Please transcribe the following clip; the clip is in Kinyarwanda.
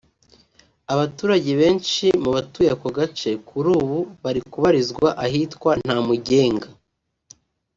Abaturage benshi mu batuye aka gace kuri ubu bari kubarizwa ahitwa Ntamugenga